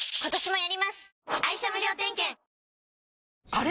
あれ？